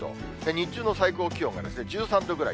日中の最高気温が１３度ぐらい。